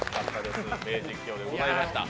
名実況でございました。